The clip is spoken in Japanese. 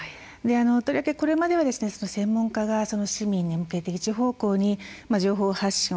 とりわけこれまではですね専門家が市民に向けて一方向に情報発信をすることをしてきて。